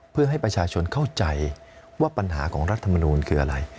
เพื่อให้ประชาชนเข้าใจว่าปัญหาของรัฐมนูลคืออะไร